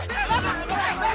cien bangu cien